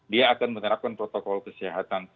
dia akan menerapkan protokol kesehatan